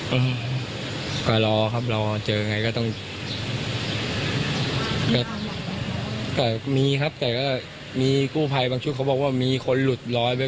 เหตุการณ์ครั้งนี้คิดไหมว่าจะเกิดกับข้อมูลหรือเป็นอย่างอีกหรือว่าก็ไปกันทุกปี